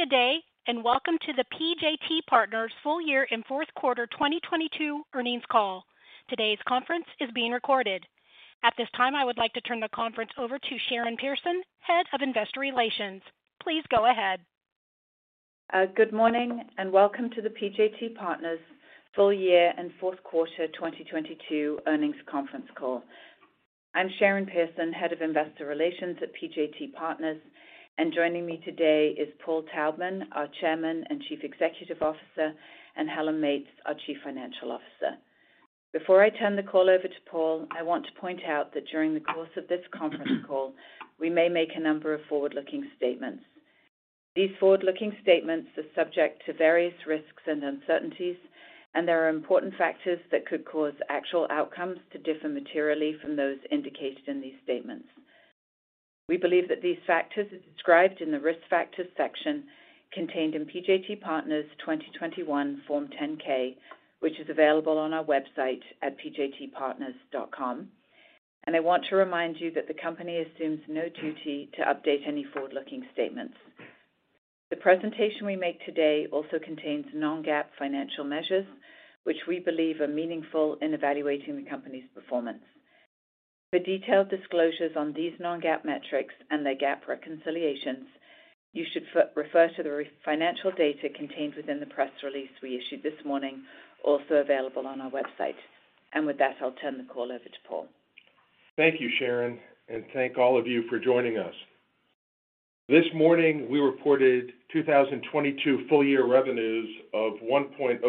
Good day, welcome to the PJT Partners Full Year and Fourth Quarter 2022 Earnings Call. Today's conference is being recorded. At this time, I would like to turn the conference over to Sharon Pearson, Head of Investor Relations. Please go ahead. Good morning, welcome to the PJT Partners Full Year and Fourth Quarter 2022 Earnings Conference Call. I'm Sharon Pearson, Head of Investor Relations at PJT Partners, joining me today is Paul Taubman, our Chairman and Chief Executive Officer, and Helen Meates, our Chief Financial Officer. Before I turn the call over to Paul, I want to point out that during the course of this conference call, we may make a number of forward-looking statements. These forward-looking statements are subject to various risks and uncertainties, there are important factors that could cause actual outcomes to differ materially from those indicated in these statements. We believe that these factors are described in the Risk Factors section contained in PJT Partners 2021 Form 10-K, which is available on our website at pjtpartners.com. I want to remind you that the company assumes no duty to update any forward-looking statements. The presentation we make today also contains non-GAAP financial measures, which we believe are meaningful in evaluating the company's performance. For detailed disclosures on these non-GAAP metrics and their GAAP reconciliations, you should refer to the financial data contained within the press release we issued this morning, also available on our website. With that, I'll turn the call over to Paul. Thank you, Sharon, and thank all of you for joining us. This morning, we reported 2022 full year revenues of $1.026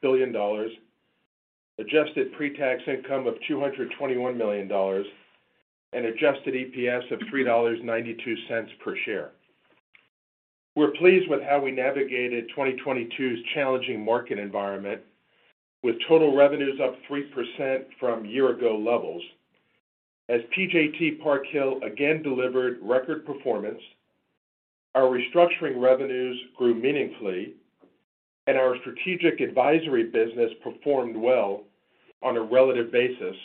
billion, adjusted pre-tax income of $221 million, and adjusted EPS of $3.92 per share. We're pleased with how we navigated 2022's challenging market environment with total revenues up 3% from year ago levels. As PJT Park Hill again delivered record performance, our restructuring revenues grew meaningfully, and our strategic advisory business performed well on a relative basis,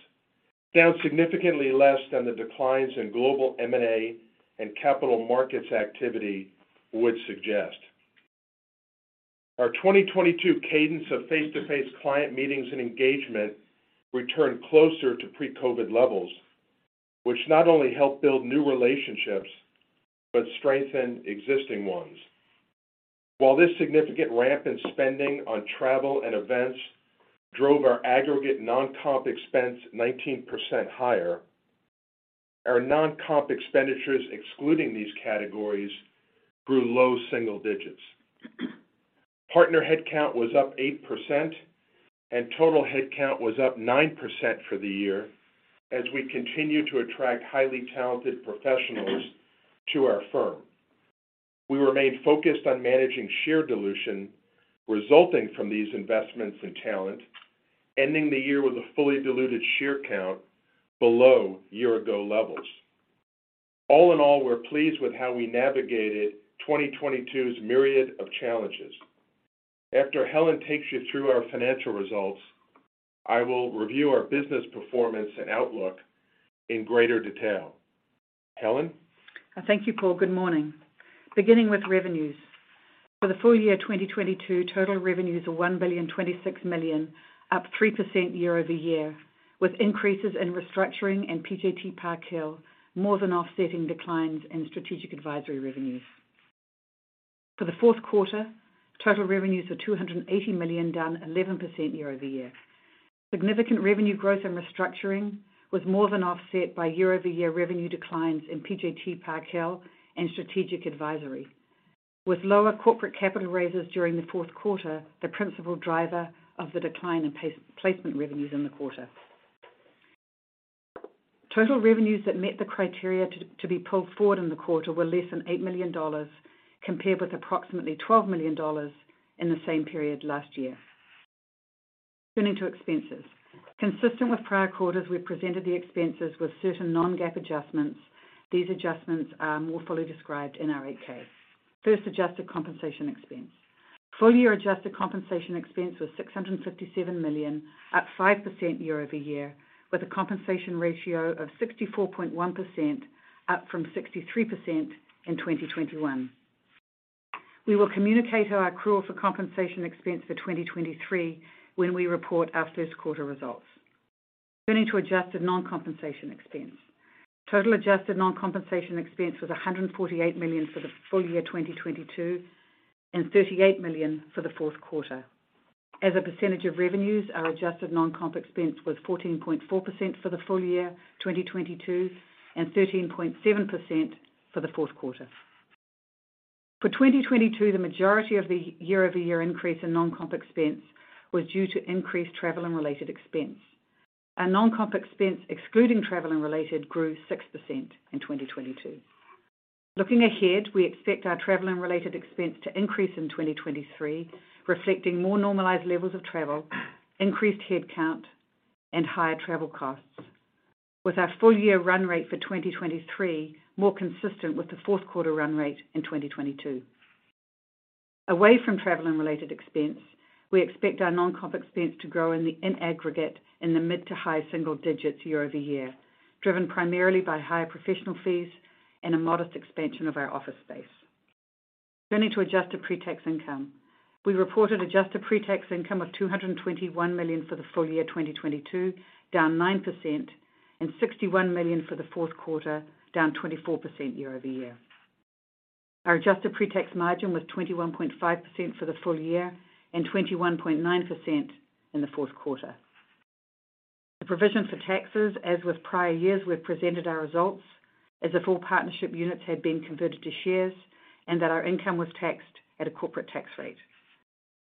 down significantly less than the declines in global M&A and capital markets activity would suggest. Our 2022 cadence of face-to-face client meetings and engagement returned closer to pre-COVID levels, which not only helped build new relationships but strengthened existing ones. This significant ramp in spending on travel and events drove our aggregate non-comp expense 19% higher, our non-comp expenditures, excluding these categories, grew low single digits. Partner headcount was up 8%, and total headcount was up 9% for the year as we continue to attract highly talented professionals to our firm. We remain focused on managing share dilution resulting from these investments in talent, ending the year with a fully diluted share count below year-ago levels. All in all, we're pleased with how we navigated 2022's myriad of challenges. After Helen takes you through our financial results, I will review our business performance and outlook in greater detail. Helen? Thank you, Paul. Good morning. Beginning with revenues. For the full year 2022, total revenues were $1,026 million, up 3% year-over-year, with increases in restructuring and PJT Park Hill more than offsetting declines in strategic advisory revenues. For the fourth quarter, total revenues are $280 million, down 11% year-over-year. Significant revenue growth and restructuring was more than offset by year-over-year revenue declines in PJT Park Hill and strategic advisory, with lower corporate capital raises during the fourth quarter, the principal driver of the decline in placement revenues in the quarter. Total revenues that met the criteria to be pulled forward in the quarter were less than $8 million, compared with approximately $12 million in the same period last year. Turning to expenses. Consistent with prior quarters, we presented the expenses with certain non-GAAP adjustments. These adjustments are more fully described in our Form 8-K. First, adjusted compensation expense. Full year adjusted compensation expense was $657 million, up 5% year-over-year, with a compensation ratio of 64.1%, up from 63% in 2021. We will communicate our accrual for compensation expense for 2023 when we report our first quarter results. Turning to adjusted non-compensation expense. Total adjusted non-compensation expense was $148 million for the full year 2022 and $38 million for the fourth quarter. As a percentage of revenues, our adjusted non-comp expense was 14.4% for the full year 2022 and 13.7% for the fourth quarter. For 2022, the majority of the year-over-year increase in non-comp expense was due to increased travel and related expense. Our non-comp expense, excluding travel and related, grew 6% in 2022. Looking ahead, we expect our travel and related expense to increase in 2023, reflecting more normalized levels of travel, increased headcount, and higher travel costs. With our full year run rate for 2023 more consistent with the fourth quarter run rate in 2022. Away from travel and related expense, we expect our non-comp expense to grow in aggregate in the mid-to-high single digits year-over-year, driven primarily by higher professional fees and a modest expansion of our office space. Turning to adjusted pre-tax income. We reported adjusted pre-tax income of $221 million for the full year 2022, down 9%, and $61 million for the fourth quarter, down 24% year-over-year. Our adjusted pre-tax margin was 21.5% for the full year and 21.9% in the fourth quarter. The provision for taxes, as with prior years, we've presented our results as if all partnership units had been converted to shares and that our income was taxed at a corporate tax rate.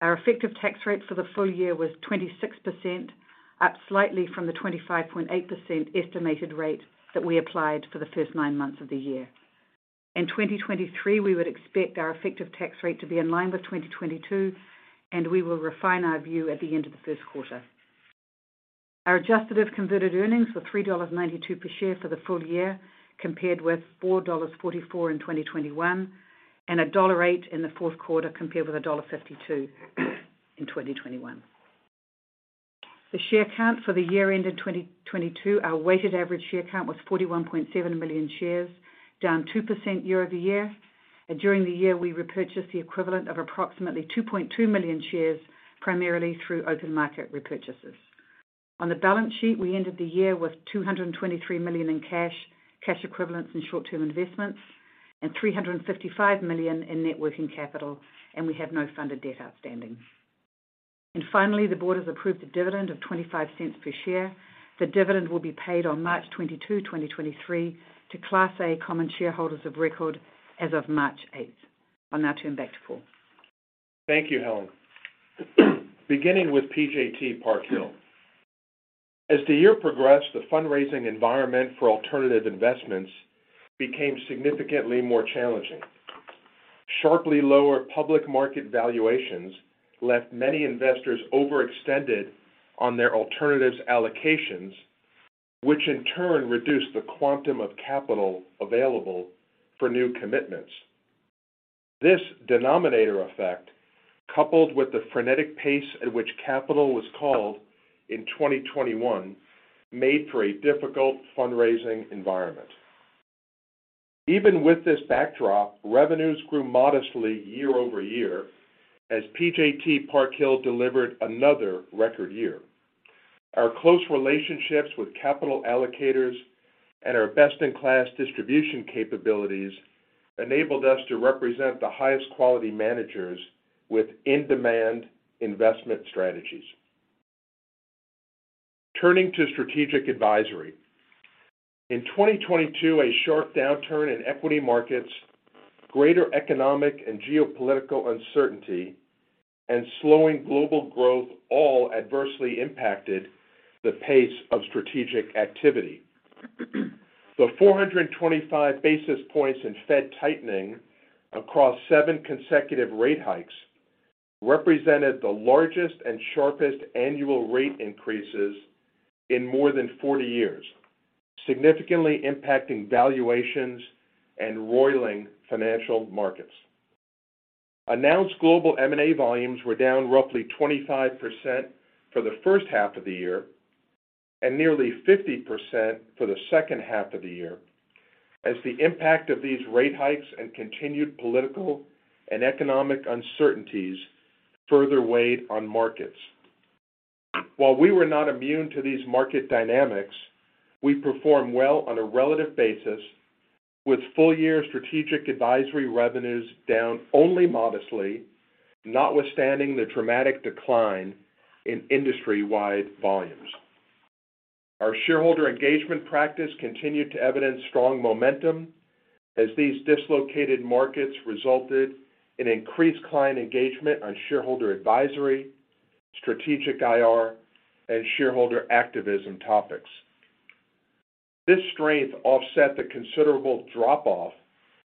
Our effective tax rate for the full year was 26%, up slightly from the 25.8% estimated rate that we applied for the first nine months of the year. In 2023, we would expect our effective tax rate to be in line with 2022. We will refine our view at the end of the first quarter. Our adjusted if converted earnings were $3.92 per share for the full year, compared with $4.44 in 2021, and $1.08 in the fourth quarter compared with $1.52 in 2021. The share count for the year ended 2022, our weighted average share count was 41.7 million shares, down 2% year-over-year. During the year, we repurchased the equivalent of approximately 2.2 million shares, primarily through open market repurchases. On the balance sheet, we ended the year with $223 million in cash equivalents, and short-term investments and $355 million in net working capital. We have no funded debt outstanding. Finally, the board has approved a dividend of $0.25 per share. The dividend will be paid on March 22, 2023 to Class A common shareholders of record as of March 8th. I'll now turn back to Paul. Thank you, Helen. Beginning with PJT Park Hill. As the year progressed, the fundraising environment for alternative investments became significantly more challenging. Sharply lower public market valuations left many investors overextended on their alternatives allocations, which in turn reduced the quantum of capital available for new commitments. This denominator effect, coupled with the frenetic pace at which capital was called in 2021, made for a difficult fundraising environment. Even with this backdrop, revenues grew modestly year-over-year as PJT Park Hill delivered another record year. Our close relationships with capital allocators and our best-in-class distribution capabilities enabled us to represent the highest quality managers with in-demand investment strategies. Turning to strategic advisory. In 2022, a sharp downturn in equity markets, greater economic and geopolitical uncertainty, and slowing global growth all adversely impacted the pace of strategic activity. The 425 basis points in Fed tightening across 7 consecutive rate hikes represented the largest and sharpest annual rate increases in more than 40 years, significantly impacting valuations and roiling financial markets. Announced global M&A volumes were down roughly 25% for the first half of the year and nearly 50% for the second half of the year, as the impact of these rate hikes and continued political and economic uncertainties further weighed on markets. While we were not immune to these market dynamics, we performed well on a relative basis with full-year strategic advisory revenues down only modestly, notwithstanding the dramatic decline in industry-wide volumes. Our shareholder engagement practice continued to evidence strong momentum as these dislocated markets resulted in increased client engagement on shareholder advisory, strategic IR, and shareholder activism topics. This strength offset the considerable drop-off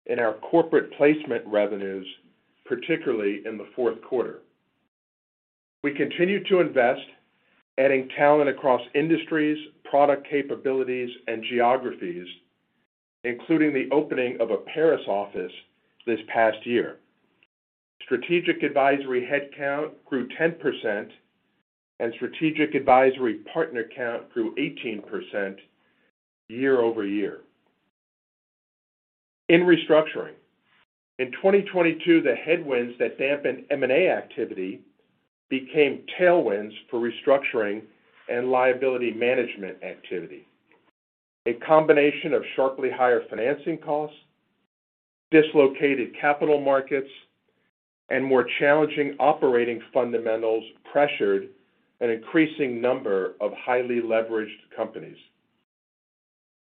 in our corporate placement revenues, particularly in the fourth quarter. We continued to invest, adding talent across industries, product capabilities, and geographies, including the opening of a Paris office this past year. Strategic advisory headcount grew 10% and strategic advisory partner count grew 18% year-over-year. In restructuring, in 2022, the headwinds that dampened M&A activity became tailwinds for restructuring and liability management activity. A combination of sharply higher financing costs, dislocated capital markets, and more challenging operating fundamentals pressured an increasing number of highly leveraged companies.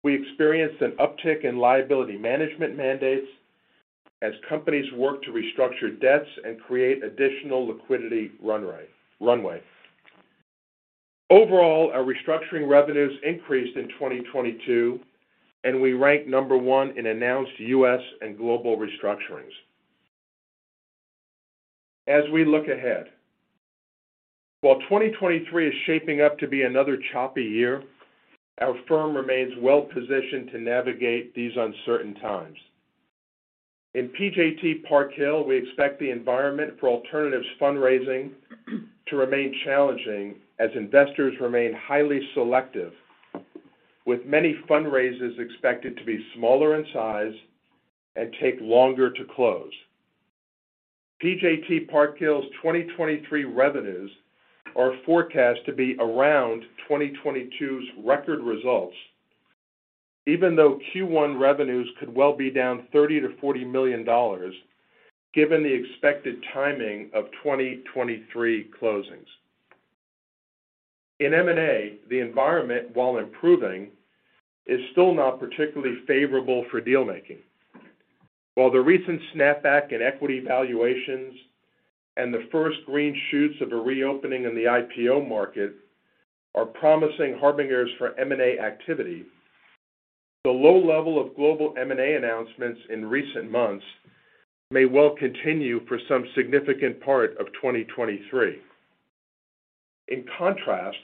We experienced an uptick in liability management mandates as companies worked to restructure debts and create additional liquidity runway. Overall, our restructuring revenues increased in 2022, and we ranked number 1 in announced US and global restructurings. As we look ahead. While 2023 is shaping up to be another choppy year, our firm remains well-positioned to navigate these uncertain times. In PJT Park Hill, we expect the environment for alternatives fundraising to remain challenging as investors remain highly selective, with many fundraisers expected to be smaller in size and take longer to close. PJT Park Hill's 2023 revenues are forecast to be around 2022's record results, even though Q1 revenues could well be down $30 million-$40 million given the expected timing of 2023 closings. In M&A, the environment, while improving, is still not particularly favorable for deal-making. While the recent snap back in equity valuations and the first green shoots of a reopening in the IPO market are promising harbingers for M&A activity, the low level of global M&A announcements in recent months may well continue for some significant part of 2023. In contrast,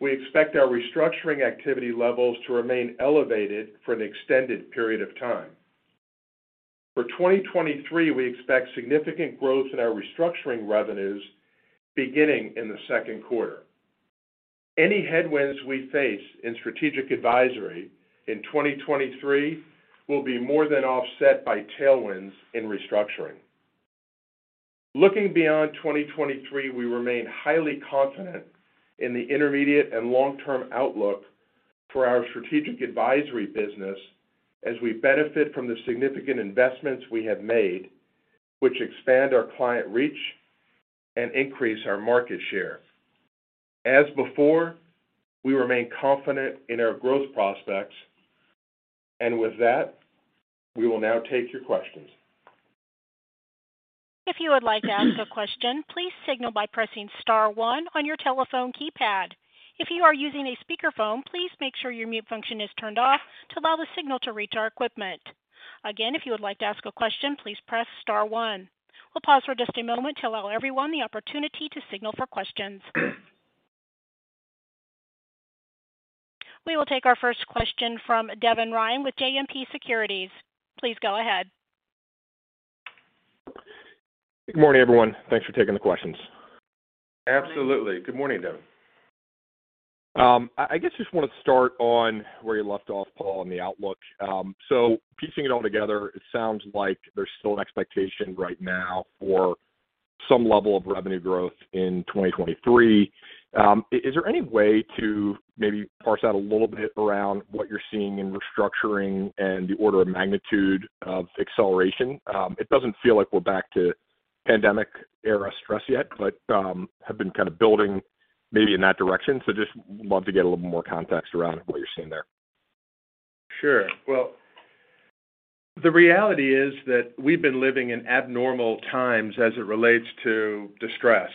we expect our restructuring activity levels to remain elevated for an extended period of time. For 2023, we expect significant growth in our restructuring revenues beginning in the second quarter. Any headwinds we face in strategic advisory in 2023 will be more than offset by tailwinds in restructuring. Looking beyond 2023, we remain highly confident in the intermediate and long-term outlook for our strategic advisory business as we benefit from the significant investments we have made, which expand our client reach and increase our market share. As before, we remain confident in our growth prospects. With that, we will now take your questions. If you would like to ask a question, please signal by pressing star one on your telephone keypad. If you are using a speakerphone, please make sure your mute function is turned off to allow the signal to reach our equipment. Again, if you would like to ask a question, please press star one. We'll pause for just a moment to allow everyone the opportunity to signal for questions. We will take our first question from Devin Ryan with JMP Securities. Please go ahead. Good morning, everyone. Thanks for taking the questions. Absolutely. Good morning, Devin. I guess just wanna start on where you left off, Paul, on the outlook. Piecing it all together, it sounds like there's still an expectation right now for some level of revenue growth in 2023. Is there any way to maybe parse out a little bit around what you're seeing in restructuring and the order of magnitude of acceleration? It doesn't feel like we're back to pandemic-era stress yet, but have been kind of building maybe in that direction. Just love to get a little more context around what you're seeing there. Sure. Well, the reality is that we've been living in abnormal times as it relates to distress.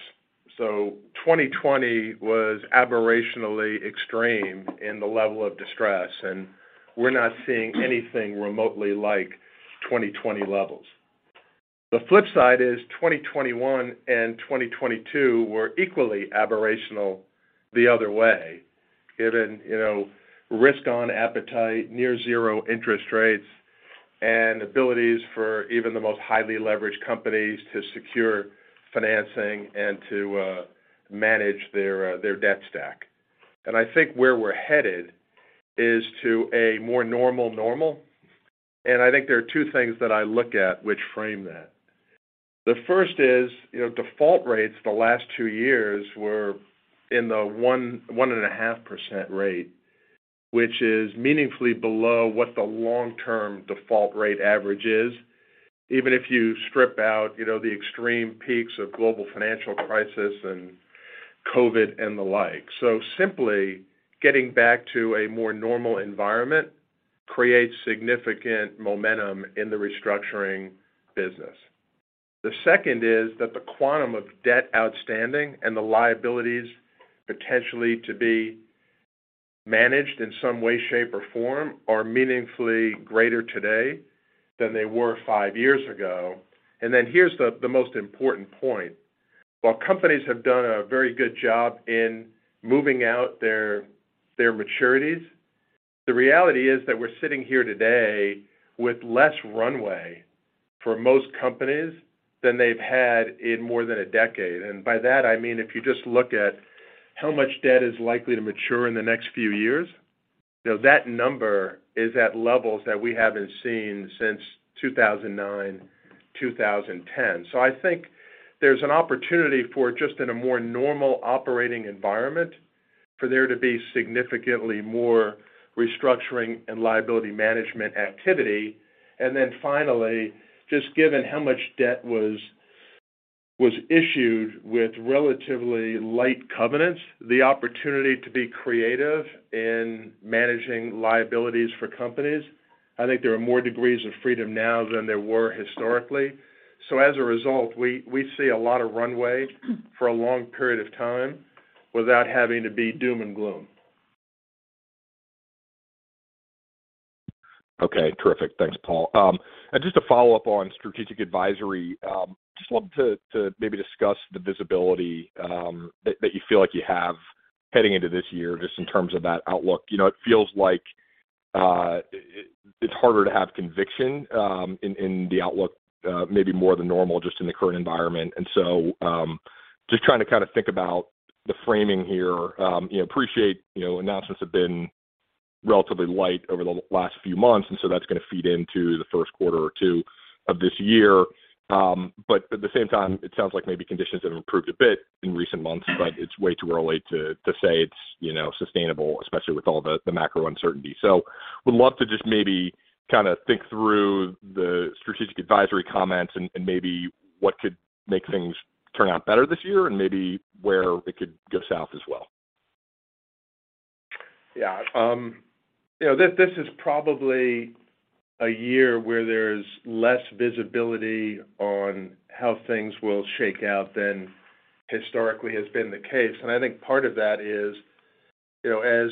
Twenty twenty was aberrationally extreme in the level of distress, and we're not seeing anything remotely like 2020 levels. The flip side is 2021 and 2022 were equally aberrational the other way, given, you know, risk-on appetite, near zero interest rates, and abilities for even the most highly leveraged companies to secure financing and to manage their debt stack. I think where we're headed is to a more normal normal, and I think there are two things that I look at which frame that. The first is, you know, default rates the last two years were in the 1.5% rate, which is meaningfully below what the long-term default rate average is, even if you strip out, you know, the extreme peaks of global financial crisis and COVID and the like. Simply getting back to a more normal environment creates significant momentum in the restructuring business. The second is that the quantum of debt outstanding and the liabilities potentially to be managed in some way, shape, or form are meaningfully greater today than they were 5 years ago. Here's the most important point. While companies have done a very good job in moving out their maturities, the reality is that we're sitting here today with less runway for most companies than they've had in more than a decade. By that, I mean, if you just look at how much debt is likely to mature in the next few years, you know, that number is at levels that we haven't seen since 2009, 2010. I think there's an opportunity for just in a more normal operating environment for there to be significantly more restructuring and liability management activity. Then finally, just given how much debt was issued with relatively cov-light covenants, the opportunity to be creative in managing liabilities for companies, I think there are more degrees of freedom now than there were historically. As a result, we see a lot of runway for a long period of time without having to be doom and gloom. Okay, terrific. Thanks, Paul. Just to follow up on strategic advisory, just love to maybe discuss the visibility that you feel like you have heading into this year, just in terms of that outlook. You know, it feels like it's harder to have conviction in the outlook, maybe more than normal just in the current environment. Just trying to kinda think about the framing here. You know, appreciate, you know, announcements have been relatively light over the last few months. That's gonna feed into the first quarter or two of this year. At the same time, it sounds like maybe conditions have improved a bit in recent months, but it's way too early to say it's, you know, sustainable, especially with all the macro uncertainty. Would love to just maybe kinda think through the strategic advisory comments and maybe what could make things turn out better this year and maybe where it could go south as well. Yeah. You know, this is probably a year where there's less visibility on how things will shake out than historically has been the case. I think part of that is, you know, as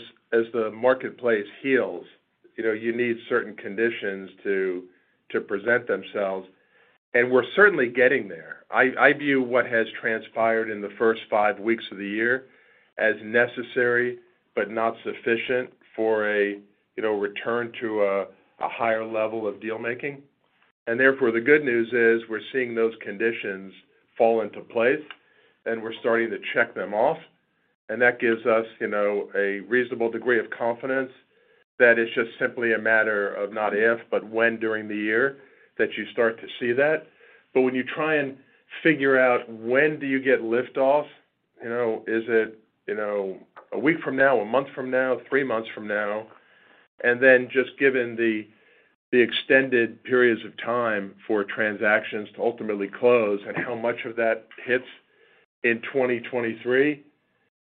the marketplace heals, you know, you need certain conditions to present themselves. We're certainly getting there. I view what has transpired in the first five weeks of the year as necessary but not sufficient for a, you know, return to a higher level of deal-making. Therefore, the good news is we're seeing those conditions fall into place, and we're starting to check them off. That gives us, you know, a reasonable degree of confidence that it's just simply a matter of not if, but when, during the year that you start to see that. When you try and figure out when do you get lift off, you know, is it, you know, a week from now, a month from now, three months from now? Just given the extended periods of time for transactions to ultimately close and how much of that hits in 2023,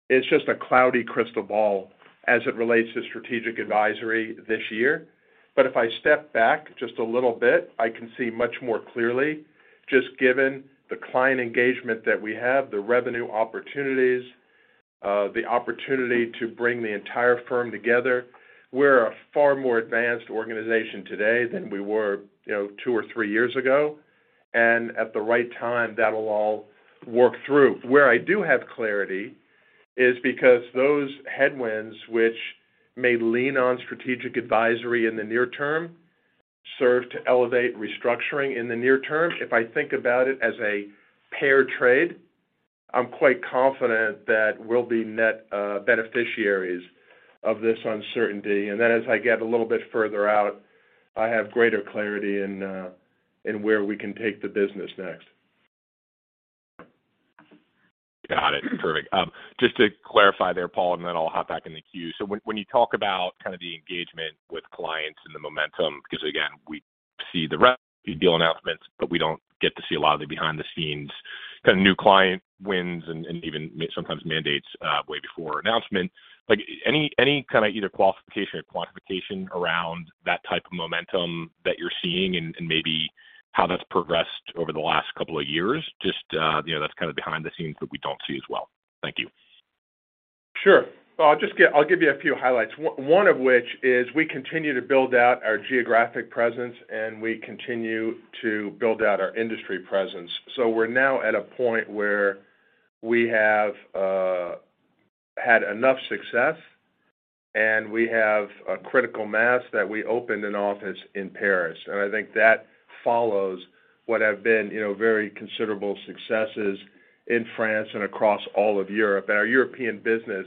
it's just a cloudy crystal ball as it relates to strategic advisory this year. If I step back just a little bit, I can see much more clearly just given the client engagement that we have, the revenue opportunities, the opportunity to bring the entire firm together. We're a far more advanced organization today than we were, you know, two or three years ago. At the right time, that'll all work through. Where I do have clarity is because those headwinds which may lean on strategic advisory in the near term serve to elevate restructuring in the near term. If I think about it as a pair trade, I'm quite confident that we'll be net beneficiaries of this uncertainty. Then as I get a little bit further out, I have greater clarity in where we can take the business next. Got it. Perfect. Just to clarify there, Paul, and then I'll hop back in the queue. When you talk about kind of the engagement with clients and the momentum, 'cause again, we see the deal announcements, but we don't get to see a lot of the behind-the-scenes, the new client wins and sometimes mandates way before announcement. Like, any kinda either qualification or quantification around that type of momentum that you're seeing and maybe how that's progressed over the last couple of years, just, you know, that's kinda behind the scenes that we don't see as well? Thank you. Sure. Well, I'll give you a few highlights. One of which is we continue to build out our geographic presence, and we continue to build out our industry presence. We're now at a point where we have had enough success, and we have a critical mass that we opened an office in Paris. I think that follows what have been, you know, very considerable successes in France and across all of Europe. Our European business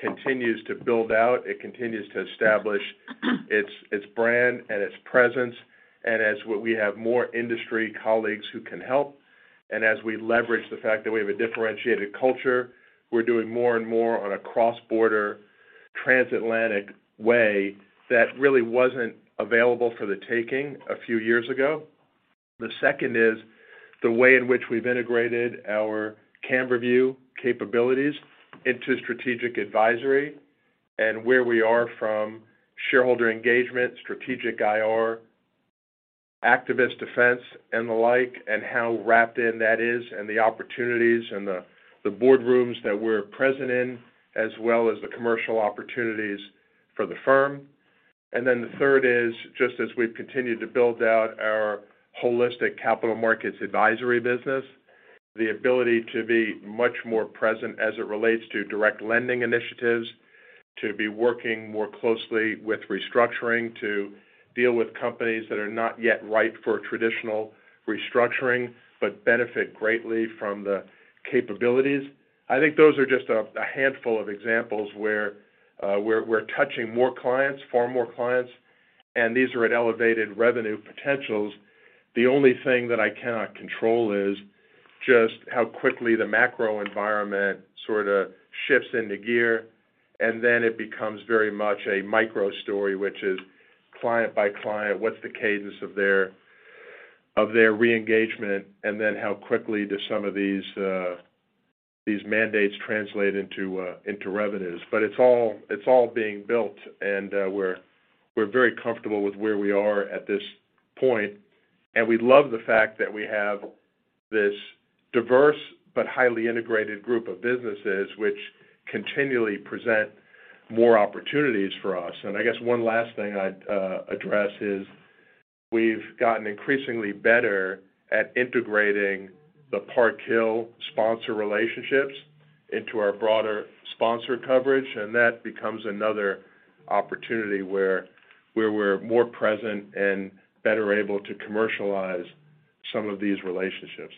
continues to build out. It continues to establish its brand and its presence. As we have more industry colleagues who can help, and as we leverage the fact that we have a differentiated culture, we're doing more and more on a cross-border transatlantic way that really wasn't available for the taking a few years ago. The second is the way in which we've integrated our PJT Camberview capabilities into strategic advisory and where we are from shareholder engagement, strategic IR, activist defense, and the like, and how wrapped in that is and the opportunities and the boardrooms that we're present in, as well as the commercial opportunities for the firm. The third is, just as we've continued to build out our holistic capital markets advisory business, the ability to be much more present as it relates to direct lending initiatives, to be working more closely with restructuring to deal with companies that are not yet ripe for traditional restructuring but benefit greatly from the capabilities. I think those are just a handful of examples where we're touching more clients, far more clients, and these are at elevated revenue potentials. The only thing that I cannot control is just how quickly the macro environment sorta shifts into gear, and then it becomes very much a micro story, which is client by client, what's the cadence of their, of their reengagement, and then how quickly do some of these mandates translate into revenues. It's all, it's all being built, and, we're very comfortable with where we are at this point. We love the fact that we have. This diverse but highly integrated group of businesses which continually present more opportunities for us. I guess one last thing I'd address is we've gotten increasingly better at integrating the Park Hill sponsor relationships into our broader sponsor coverage, and that becomes another opportunity where we're more present and better able to commercialize some of these relationships.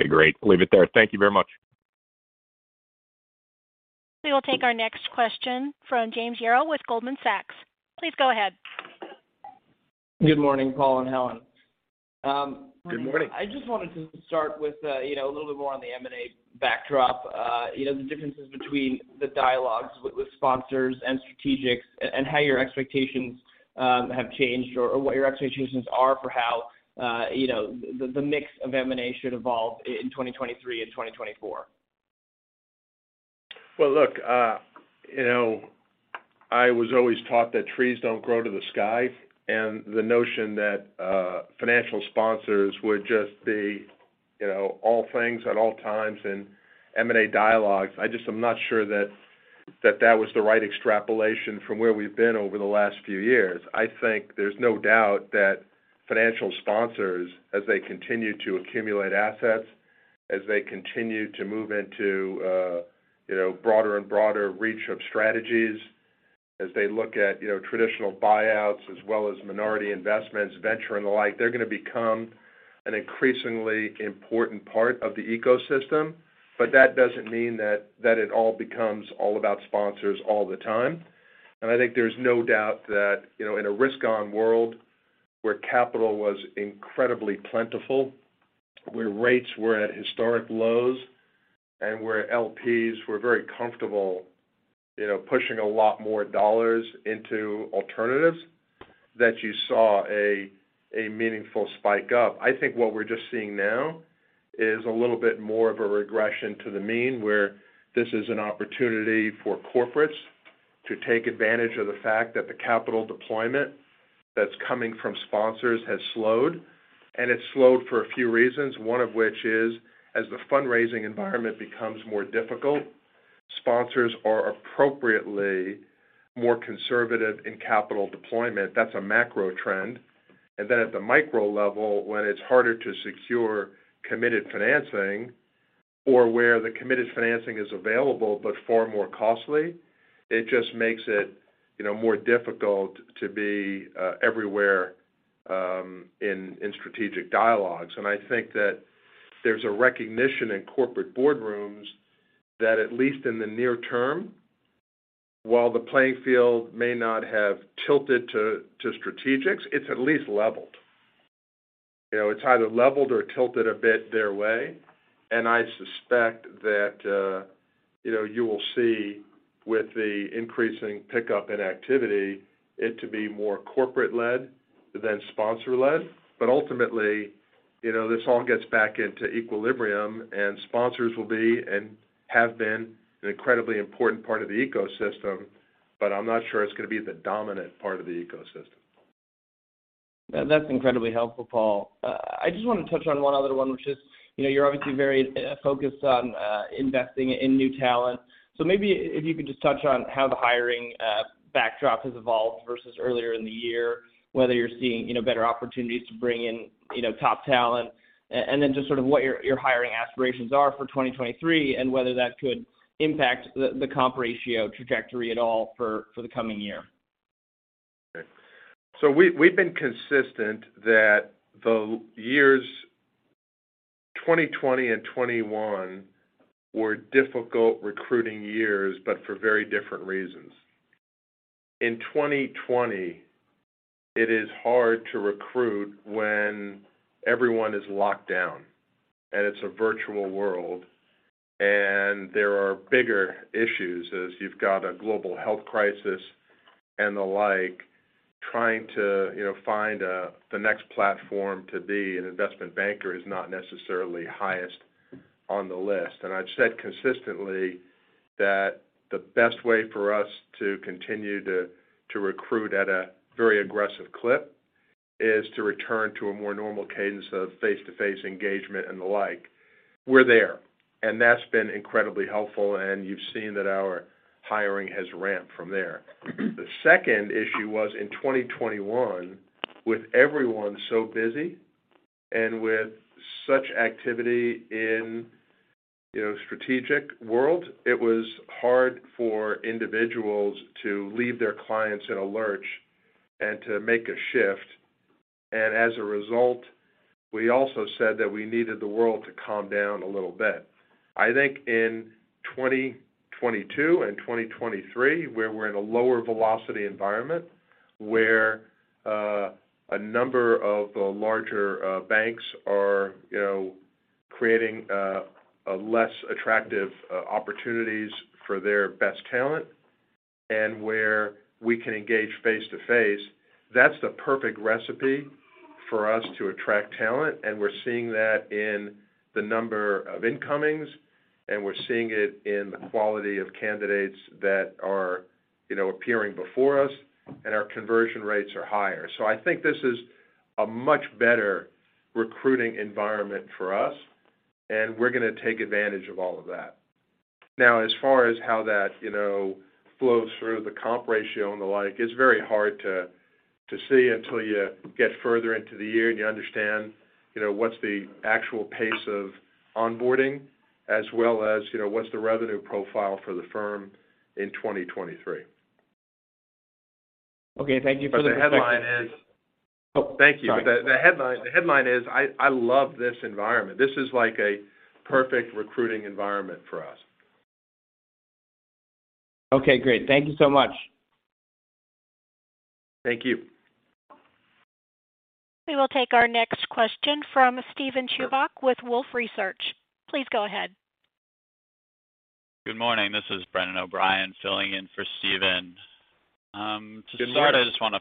Okay, great. Leave it there. Thank you very much. We will take our next question from James Yaro with Goldman Sachs. Please go ahead. Good morning, Paul and Helen. Good morning. I just wanted to start with, you know, a little bit more on the M&A backdrop, you know, the differences between the dialogues with sponsors and strategics and how your expectations have changed or what your expectations are for how, you know, the mix of M&A should evolve in 2023 and 2024. Well, look, you know, I was always taught that trees don't grow to the sky. The notion that financial sponsors would just be, you know, all things at all times in M&A dialogues, I just am not sure that that was the right extrapolation from where we've been over the last few years. I think there's no doubt that financial sponsors, as they continue to accumulate assets, as they continue to move into, you know, broader and broader reach of strategies, as they look at, you know, traditional buyouts as well as minority investments, venture and the like, they're gonna become an increasingly important part of the ecosystem. That doesn't mean that it all becomes all about sponsors all the time. I think there's no doubt that, you know, in a risk-on world where capital was incredibly plentiful, where rates were at historic lows and where LPs were very comfortable, you know, pushing a lot more dollars into alternatives, that you saw a meaningful spike up. I think what we're just seeing now is a little bit more of a regression to the mean, where this is an opportunity for corporates to take advantage of the fact that the capital deployment that's coming from sponsors has slowed. It's slowed for a few reasons, one of which is, as the fundraising environment becomes more difficult, sponsors are appropriately more conservative in capital deployment. That's a macro trend. At the micro level, when it's harder to secure committed financing or where the committed financing is available, but far more costly, it just makes it, you know, more difficult to be everywhere in strategic dialogues. I think that there's a recognition in corporate boardrooms that at least in the near term, while the playing field may not have tilted to strategics, it's at least leveled. You know, it's either leveled or tilted a bit their way. I suspect that, you know, you will see with the increasing pickup in activity it to be more corporate-led than sponsor-led. Ultimately, you know, this all gets back into equilibrium and sponsors will be and have been an incredibly important part of the ecosystem, but I'm not sure it's going to be the dominant part of the ecosystem. That's incredibly helpful, Paul. I just wanna touch on one other one, which is, you know, you're obviously very focused on, investing in new talent. Maybe if you could just touch on how the hiring backdrop has evolved versus earlier in the year, whether you're seeing, you know, better opportunities to bring in, you know, top talent. And then just sort of what your hiring aspirations are for 2023 and whether that could impact the comp ratio trajectory at all for the coming year. We've been consistent that the years 2020 and 2021 were difficult recruiting years, but for very different reasons. In 2020, it is hard to recruit when everyone is locked down, and it's a virtual world, and there are bigger issues as you've got a global health crisis and the like. Trying to, you know, find the next platform to be an investment banker is not necessarily highest on the list. I've said consistently that the best way for us to continue to recruit at a very aggressive clip is to return to a more normal cadence of face-to-face engagement and the like. We're there, and that's been incredibly helpful, and you've seen that our hiring has ramped from there. The second issue was in 2021, with everyone so busy and with such activity in, you know, strategic world, it was hard for individuals to leave their clients in a lurch and to make a shift. As a result, we also said that we needed the world to calm down a little bit. I think in 2022 and 2023, where we're in a lower velocity environment, where a number of the larger banks are, you know, creating a less attractive opportunities for their best talent and where we can engage face-to-face, that's the perfect recipe for us to attract talent. We're seeing that in the number of incomings. We're seeing it in the quality of candidates that are, you know, appearing before us, and our conversion rates are higher. I think this is a much better recruiting environment for us, and we're gonna take advantage of all of that. As far as how that, you know, flows through the comp ratio and the like, it's very hard to see until you get further into the year and you understand, you know, what's the actual pace of onboarding as well as, you know, what's the revenue profile for the firm in 2023. Okay. Thank you for the perspective. The headline is. Oh, thank you. Sorry. The headline is, I love this environment. This is like a perfect recruiting environment for us. Okay, great. Thank you so much. Thank you. We will take our next question from Steven Chubak with Wolfe Research. Please go ahead. Good morning. This is Brendan O'Brien filling in for Steven. Good morning. Morning. To start, I wanted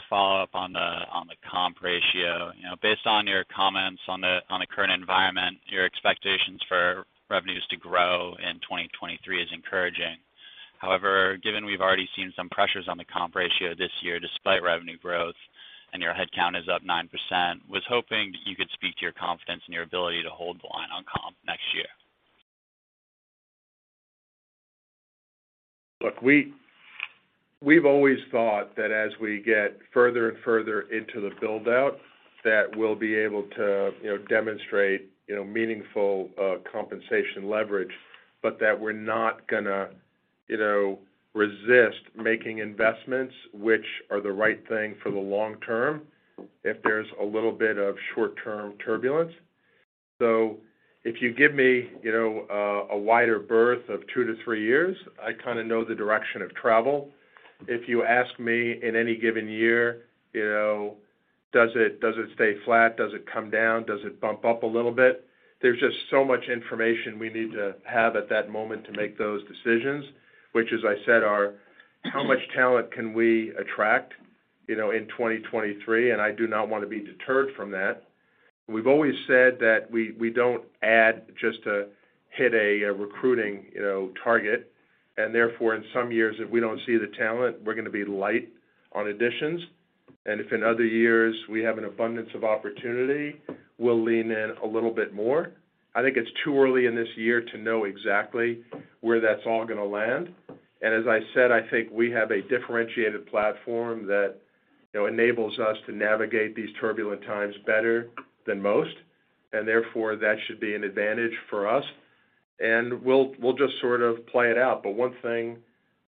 to follow up on the comp ratio. You know, based on your comments on the current environment, your expectations for revenues to grow in 2023 is encouraging. However, given we've already seen some pressures on the comp ratio this year despite revenue growth and your headcount is up 9%, was hoping you could speak to your confidence in your ability to hold the line on comp next year. Look, we've always thought that as we get further and further into the build-out, that we'll be able to, you know, demonstrate, you know, meaningful, compensation leverage, but that we're not gonna, you know, resist making investments which are the right thing for the long term if there's a little bit of short-term turbulence. If you give me, you know, a wider berth of 2-3 years, I kinda know the direction of travel. If you ask me in any given year, you know, does it stay flat, does it come down, does it bump up a little bit? There's just so much information we need to have at that moment to make those decisions, which, as I said, are how much talent can we attract, you know, in 2023, and I do not wanna be deterred from that. We've always said that we don't add just to hit a recruiting, you know, target. Therefore, in some years, if we don't see the talent, we're gonna be light on additions. If in other years we have an abundance of opportunity, we'll lean in a little bit more. I think it's too early in this year to know exactly where that's all gonna land. As I said, I think we have a differentiated platform that, you know, enables us to navigate these turbulent times better than most, and therefore, that should be an advantage for us. We'll just sort of play it out. One thing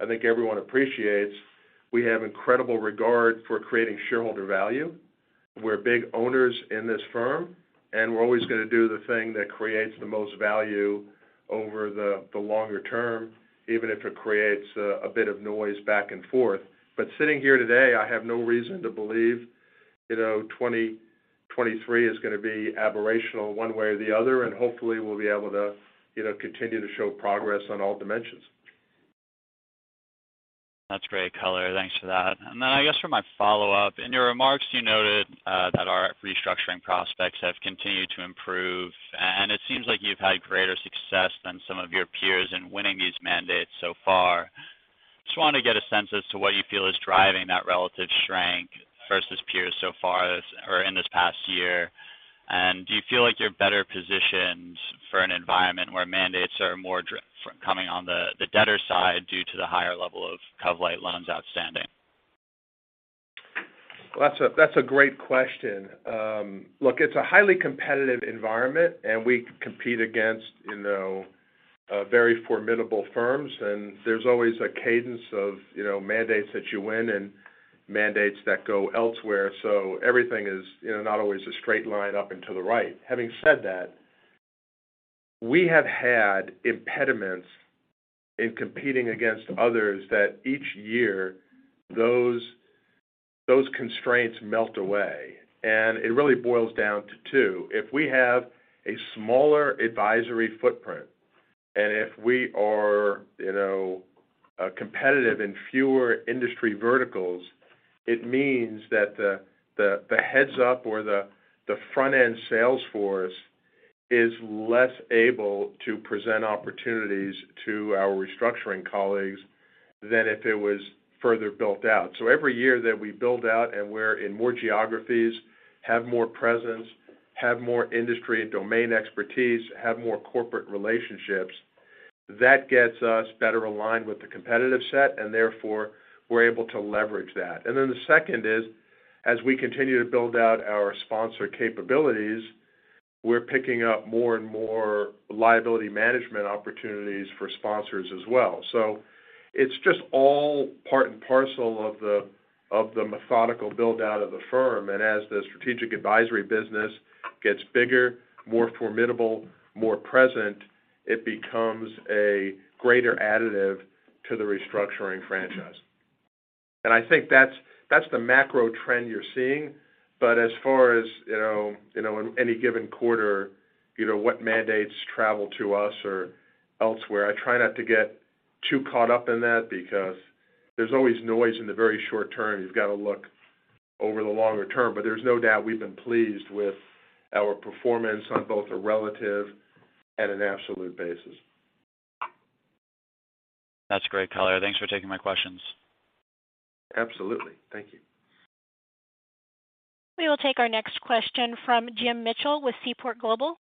I think everyone appreciates, we have incredible regard for creating shareholder value. We're big owners in this firm, and we're always gonna do the thing that creates the most value over the longer term, even if it creates a bit of noise back and forth. Sitting here today, I have no reason to believe, you know, 2023 is gonna be aberrational one way or the other. Hopefully we'll be able to, you know, continue to show progress on all dimensions. That's great color. Thanks for that. Then I guess for my follow-up, in your remarks you noted that our restructuring prospects have continued to improve, and it seems like you've had greater success than some of your peers in winning these mandates so far. Just wanted to get a sense as to what you feel is driving that relative strength versus peers so far or in this past year. Do you feel like you're better positioned for an environment where mandates are more coming on the debtor side due to the higher level of cov-light loans outstanding? Well, that's a, that's a great question. Look, it's a highly competitive environment, and we compete against, you know, very formidable firms, and there's always a cadence of, you know, mandates that you win and mandates that go elsewhere. Everything is, you know, not always a straight line up and to the right. Having said that, we have had impediments in competing against others that each year those constraints melt away. It really boils down to 2. If we have a smaller advisory footprint, and if we are, you know, competitive in fewer industry verticals, it means that the heads-up or the front-end sales force is less able to present opportunities to our restructuring colleagues than if it was further built out. Every year that we build out and we're in more geographies, have more presence, have more industry and domain expertise, have more corporate relationships, that gets us better aligned with the competitive set, therefore, we're able to leverage that. The second is, as we continue to build out our sponsor capabilities, we're picking up more and more liability management opportunities for sponsors as well. It's just all part and parcel of the methodical build-out of the firm. As the strategic advisory business gets bigger, more formidable, more present, it becomes a greater additive to the restructuring franchise. I think that's the macro trend you're seeing. As far as, you know, in any given quarter, you know, what mandates travel to us or elsewhere, I try not to get too caught up in that because there's always noise in the very short term. You've got to look over the longer term, but there's no doubt we've been pleased with our performance on both a relative and an absolute basis. That's great, Paul. Thanks for taking my questions. Absolutely. Thank you. We will take our next question from James Mitchell with Seaport Global.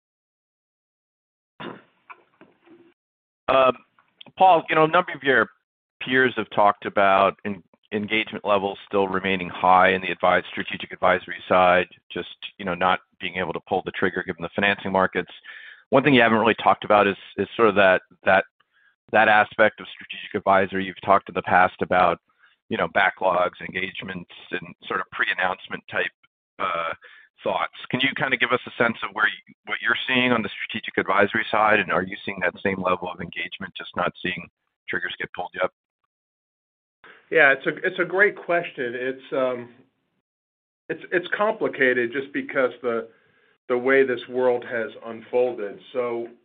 Paul, you know, a number of your peers have talked about engagement levels still remaining high in the strategic advisory side, just, you know, not being able to pull the trigger given the financing markets. One thing you haven't really talked about is sort of that aspect of strategic advisory. You've talked in the past about, you know, backlogs, engagements, and sort of pre-announcement type thoughts. Can you kind of give us a sense of what you're seeing on the strategic advisory side? Are you seeing that same level of engagement, just not seeing triggers get pulled yet? Yeah, it's a great question. It's complicated just because the way this world has unfolded.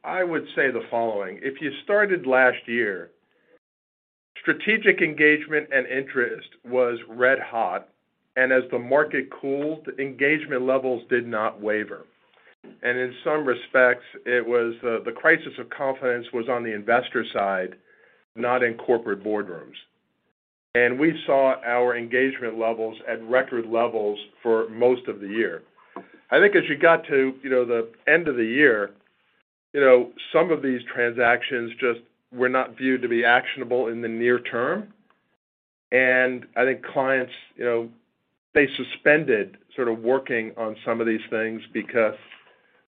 I would say the following: if you started last year, strategic engagement and interest was red hot, and as the market cooled, engagement levels did not waver. In some respects, it was the crisis of confidence was on the investor side, not in corporate boardrooms. We saw our engagement levels at record levels for most of the year. I think as you got to, you know, the end of the year, you know, some of these transactions just were not viewed to be actionable in the near term. I think clients, you know, they suspended sort of working on some of these things because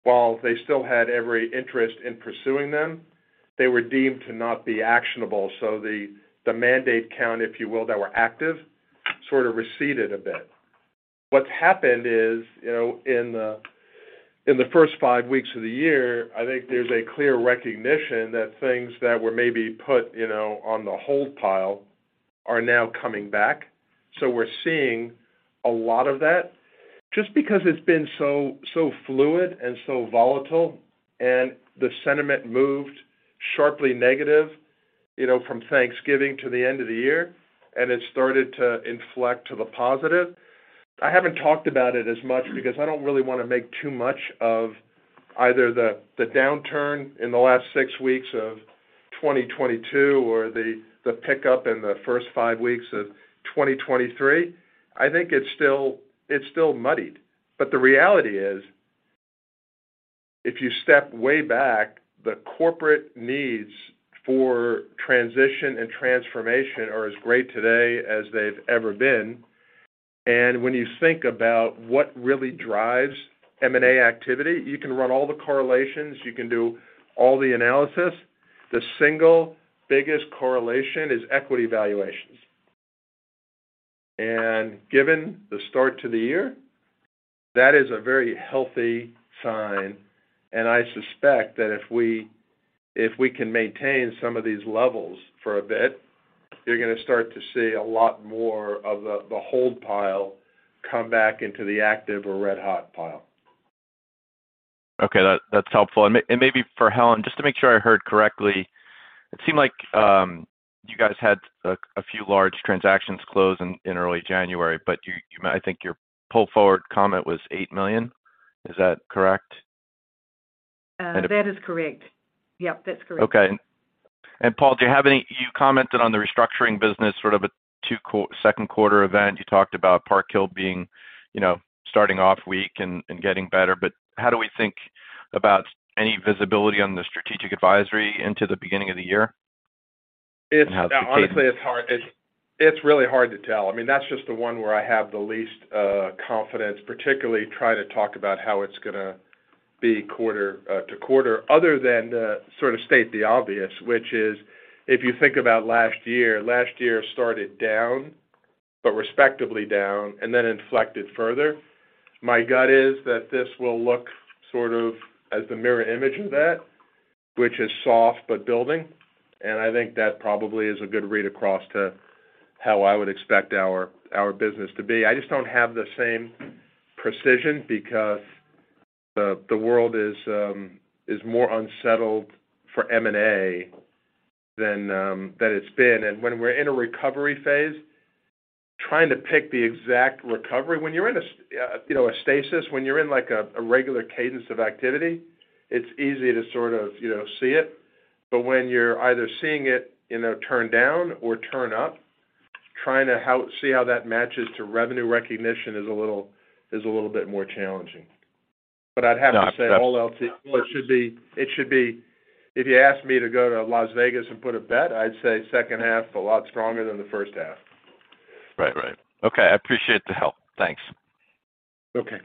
while they still had every interest in pursuing them, they were deemed to not be actionable. The mandate count, if you will, that were active sort of receded a bit. What's happened is, you know, in the first five weeks of the year, I think there's a clear recognition that things that were maybe put, you know, on the hold pile are now coming back. We're seeing a lot of that just because it's been so fluid and so volatile, and the sentiment moved sharply negative, you know, from Thanksgiving to the end of the year, and it started to inflect to the positive. I haven't talked about it as much because I don't really wanna make too much of either the downturn in the last six weeks of 2022 or the pickup in the first five weeks of 2023. I think it's still muddied. The reality is, if you step way back, the corporate needs for transition and transformation are as great today as they've ever been. When you think about what really drives M&A activity, you can run all the correlations, you can do all the analysis. The single biggest correlation is equity valuations. Given the start to the year, that is a very healthy sign. I suspect that if we can maintain some of these levels for a bit, you're gonna start to see a lot more of the hold pile come back into the active or red-hot pile. Okay. That's helpful. Maybe for Helen, just to make sure I heard correctly, it seemed like you guys had a few large transactions close in early January, but you I think your pull forward comment was $8 million. Is that correct? That is correct. Yep, that's correct. Okay. Paul, do you have any, you commented on the restructuring business, sort of a second quarter event. You talked about Park Hill being, you know, starting off weak and getting better. How do we think about any visibility on the strategic advisory into the beginning of the year? No, honestly, it's hard. It's really hard to tell. I mean, that's just the one where I have the least confidence, particularly try to talk about how it's gonna be quarter to quarter other than to sort of state the obvious, which is, if you think about last year, last year started down, but respectively down, then inflected further. My gut is that this will look sort of as the mirror image of that, which is soft but building. I think that probably is a good read across to how I would expect our business to be. I just don't have the same precision because the world is more unsettled for M&A than it's been. When we're in a recovery phase, trying to pick the exact recovery when you're in a you know, a stasis, when you're in, like a regular cadence of activity, it's easy to sort of, you know, see it. When you're either seeing it, you know, turn down or turn up, trying to see how that matches to revenue recognition is a little bit more challenging. I'd have to say all else equal, it should be. If you asked me to go to Las Vegas and put a bet, I'd say second half a lot stronger than the first half. Right. Okay. I appreciate the help. Thanks. Okay.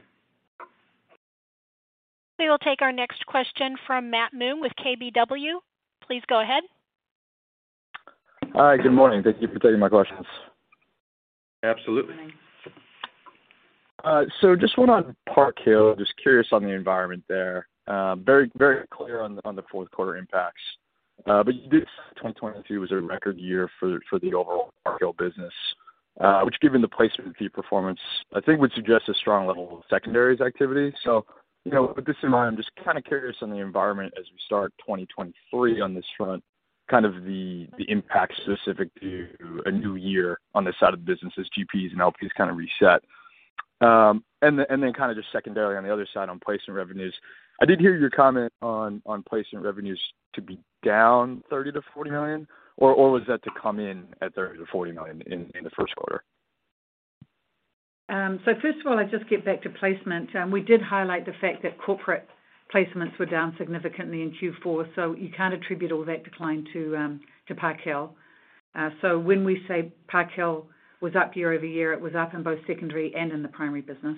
We will take our next question from Matt Moon with KBW. Please go ahead. Hi. Good morning. Thank you for taking my questions. Absolutely. Good morning. Just one on Park Hill. Just curious on the environment there. Very, very clear on the fourth quarter impacts. You did say 2023 was a record year for the overall Park Hill business. Which given the placement fee performance, I think would suggest a strong level of secondaries activity. You know, with this in mind, I'm just kinda curious on the environment as we start 2023 on this front, kind of the impact specific to a new year on this side of the business as GPs and LPs kinda reset. And then kinda just secondarily on the other side on placement revenues. I did hear your comment on placement revenues to be down $30 million-$40 million. Was that to come in at $30 million-$40 million in the first quarter? First of all, I just get back to placement. We did highlight the fact that corporate placements were down significantly in Q4, so you can't attribute all that decline to Park Hill. When we say Park Hill was up year-over-year, it was up in both secondary and in the primary business.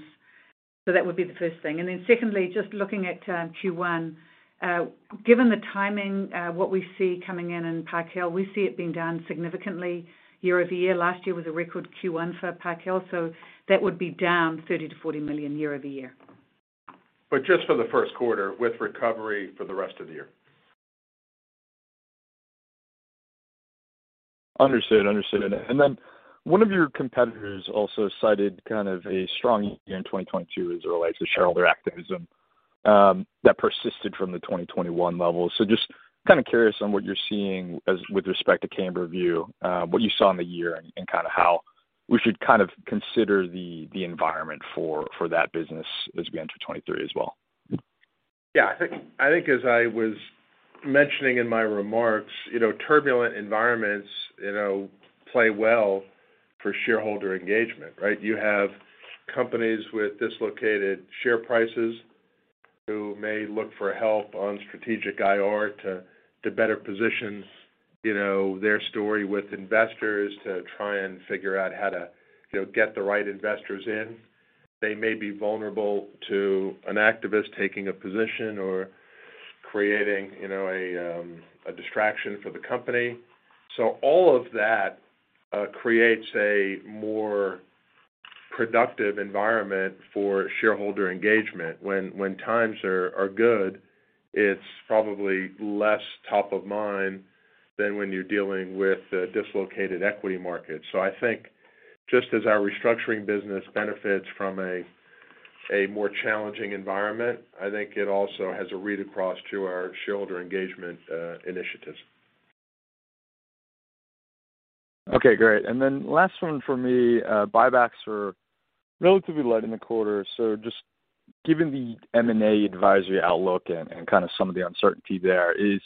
That would be the first thing. Secondly, just looking at Q1, given the timing, what we see coming in in Park Hill, we see it being down significantly year-over-year. Last year was a record Q1 for Park Hill, so that would be down $30 million-$40 million year-over-year. Just for the first quarter with recovery for the rest of the year. Understood. Understood. One of your competitors also cited kind of a strong year in 2022 as it relates to shareholder activism, that persisted from the 2021 levels. Just kind of curious on what you're seeing as with respect to PJT Camberview, what you saw in the year and kind of how we should kind of consider the environment for that business as we enter 2023 as well. Yeah, I think as I was mentioning in my remarks, you know, turbulent environments, you know, play well for shareholder engagement, right? You have companies with dislocated share prices who may look for help on strategic IR to better position, you know, their story with investors to try and figure out how to, you know, get the right investors in. They may be vulnerable to an activist taking a position or creating, you know, a distraction for the company. All of that creates a more productive environment for shareholder engagement. When times are good, it's probably less top of mind than when you're dealing with a dislocated equity market. I think just as our restructuring business benefits from a more challenging environment, I think it also has a read across to our shareholder engagement initiatives. Okay, great. Last one for me. buybacks were relatively light in the quarter. Just given the M&A advisory outlook and kinda some of the uncertainty there is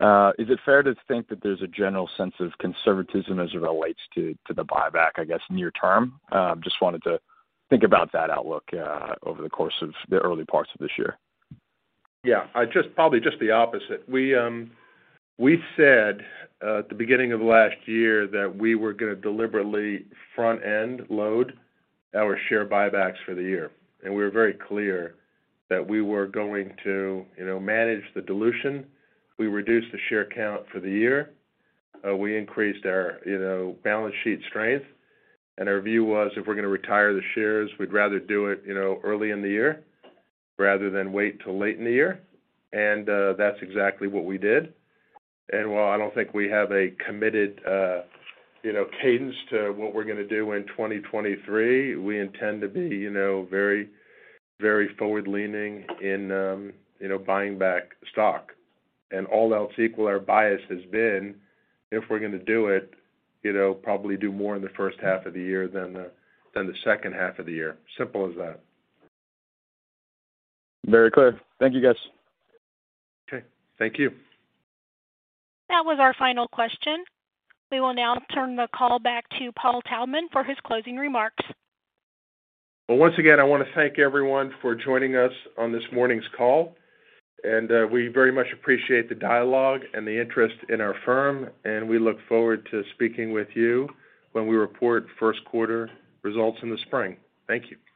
it fair to think that there's a general sense of conservatism as it relates to the buyback, I guess, near term? Just wanted to think about that outlook over the course of the early parts of this year. Yeah. Just probably just the opposite. We said at the beginning of last year that we were gonna deliberately front-end load our share buybacks for the year. We were very clear that we were going to, you know, manage the dilution. We reduced the share count for the year. We increased our, you know, balance sheet strength. Our view was, if we're gonna retire the shares, we'd rather do it, you know, early in the year rather than wait till late in the year. That's exactly what we did. While I don't think we have a committed, you know, cadence to what we're gonna do in 2023, we intend to be, you know, very, very forward-leaning in, you know, buying back stock. All else equal, our bias has been, if we're gonna do it, you know, probably do more in the first half of the year than the second half of the year. Simple as that. Very clear. Thank you, guys. Okay. Thank you. That was our final question. We will now turn the call back to Paul Taubman for his closing remarks. Once again, I wanna thank everyone for joining us on this morning's call. We very much appreciate the dialogue and the interest in our firm. We look forward to speaking with you when we report first quarter results in the spring. Thank you.